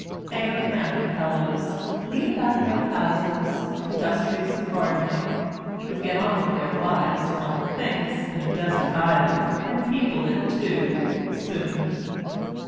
They are handy fellows — neat about their houses — industrious at garden ing— would get on with their wives, one thinks, in a desert island — and people it, too, soon.